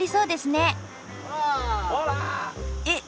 えっ！